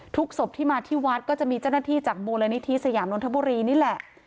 ศพที่มาที่วัดก็จะมีเจ้าหน้าที่จากมูลนิธิสยามนทบุรีนี่แหละ